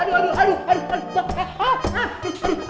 aduh aduh aduh